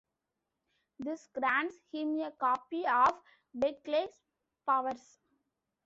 This grants him a copy of Beckley's powers.